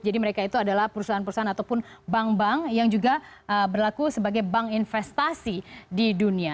jadi mereka itu adalah perusahaan perusahaan ataupun bank bank yang juga berlaku sebagai bank investasi di dunia